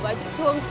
và chị thương